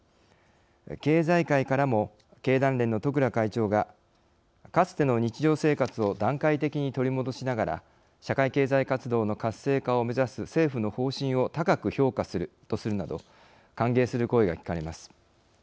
経済界からも経団連の十倉会長がかつての日常生活を段階的に取り戻しながら社会経済活動の活性化を目指す政府の方針を高く評価するとするなど歓迎する声が聞かれます。